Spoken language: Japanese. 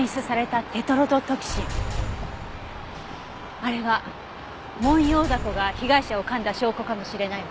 あれはモンヨウダコが被害者を噛んだ証拠かもしれないわ。